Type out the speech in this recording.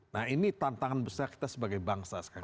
nah ini tantangan besar kita sebagai bangsa sekarang